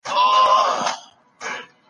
دوی خندا کوي